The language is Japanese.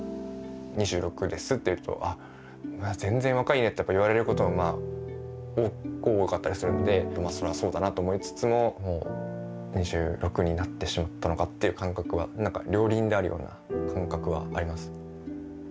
「２６です」って言うと「あまだ全然若いね」ってやっぱ言われることも多かったりするのでそれはそうだなと思いつつももう２６になってしまったのかっていう感覚はなんか両輪であるような感覚はあります。